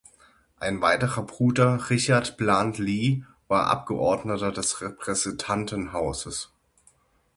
Ein weiterer Bruder, Richard Bland Lee, war Abgeordneter des Repräsentantenhauses.